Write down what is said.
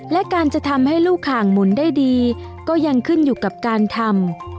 และการจะทำให้ลูกข่างหมุนได้ดีก็ยังขึ้นอยู่กับการทำ